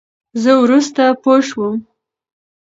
زه ورورسته پوشوم.